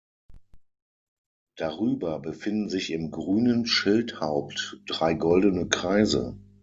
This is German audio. Darüber befinden sich im grünen Schildhaupt drei goldene Kreise.